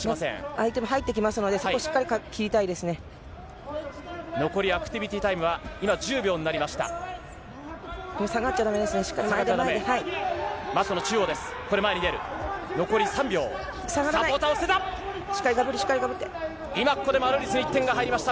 相手も入ってきますので、残り、アクティビティタイムは今１０秒になりました。